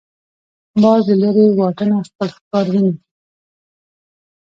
باز له لرې واټنه خپل ښکار ویني